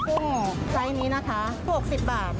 กุ้งไซส์นี้นะคะ๖๐บาท